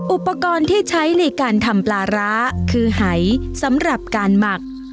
อุปกรณ์ที่ใช้ในการทำปลาร้าคือหายสำหรับการหมัก